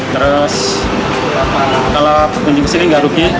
terus kalau kunci kesini enggak rugi